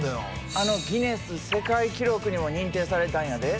あのギネス世界記録にも認定されたんやで。